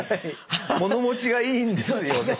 物持ちがいいんですよね。